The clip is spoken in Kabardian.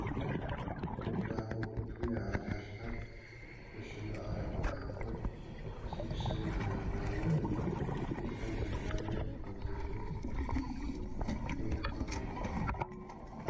ХъунщӀакӀуэ гупым я Ӏэтащхьэр щыщымыӀа махуэхэм си псэм игъэвамрэ си фэм дэкӀамрэ къэсӀуэтэжыну сыхуеиххэкъым.